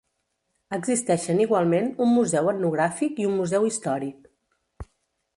Existeixen igualment un Museu Etnogràfic i un Museu Històric.